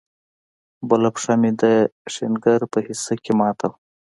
بله پښه مې د ښنگر په حصه کښې ماته وه.